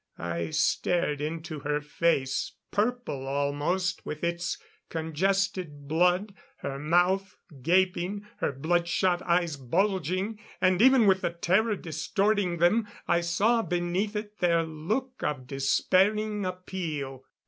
I stared into her face, purple almost with its congested blood, her mouth gaping, her blood shot eyes bulging; and even with the terror distorting them, I saw beneath it their look of despairing appeal...